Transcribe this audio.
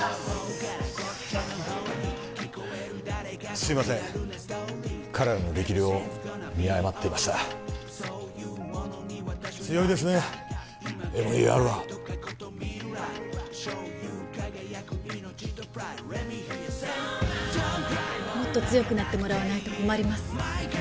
すいません彼らの力量を見誤っていました強いですねＭＥＲはもっと強くなってもらわないと困ります